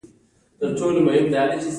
هغه د دښته په سمندر کې د امید څراغ ولید.